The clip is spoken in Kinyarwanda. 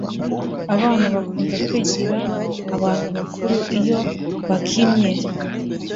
Abana bakunda kwigira abantu bakuru iyo bakinnye